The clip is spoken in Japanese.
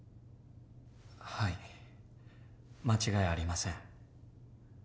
はい間違いありません。